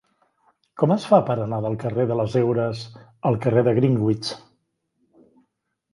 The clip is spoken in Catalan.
Com es fa per anar del carrer de les Heures al carrer de Greenwich?